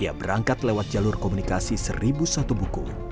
ia berangkat lewat jalur komunikasi seribu satu buku